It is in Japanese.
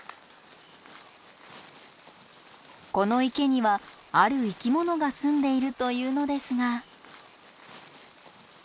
この池にはある生き物が住んでいるというのですが。